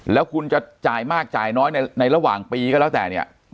แล้วคุณจะจ่ายมากจ่ายน้อยในระหว่างปีก็แล้วแต่เนี่ย